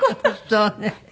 そうね。